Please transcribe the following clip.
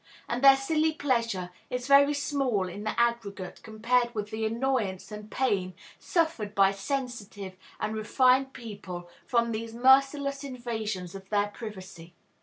And their silly pleasure is very small in the aggregate compared with the annoyance and pain suffered by sensitive and refined people from these merciless invasions of their privacy.